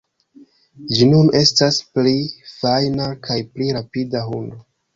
Ĝi nun estas pli fajna kaj pli rapida hundo.